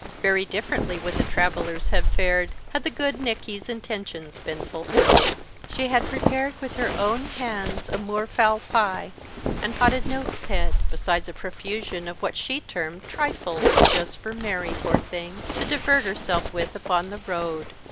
Very differently would the travellers have fared had the good Nicky's intentions been fulfilled. She had prepared with her own hands a moorfowl pie and potted nowt's head, besides a profusion of what she termed "trifles, just for Mary, poor thing, to divert herself with upon the road."